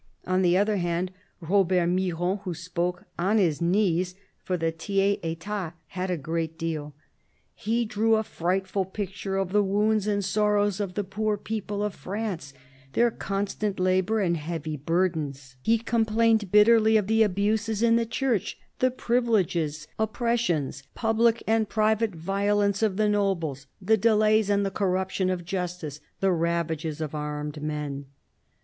On the other hand Robert Miron, who spoke — on his knees— for the Tiers ^tat, had a great deal. He drew a frightful picture of the "wounds and sorrows" of the poor people of France, their constant labour and heavy burdens. He THE BISHOP OF LUgON ^x complained bitterly of the abuses in the Church, the privileges, oppressions, public and private violence of the nobles, the delays and the corruption of justice, the ravages of armed men.